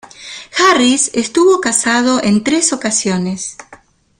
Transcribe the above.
Harris estuvo casado en tres ocasiones.